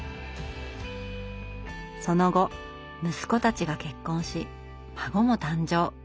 その後息子たちが結婚し孫も誕生。